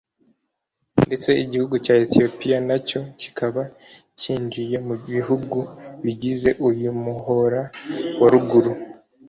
ndetse igihugu cya Ethiopia nacyo kikaba cyinjiye mu bihugu bigize uyu muhora wa Ruguru